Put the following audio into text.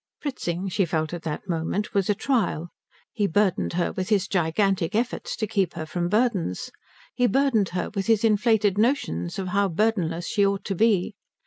Fritzing, she felt at that moment, was a trial. He burdened her with his gigantic efforts to keep her from burdens. He burdened her with his inflated notions of how burdenless she ought to be.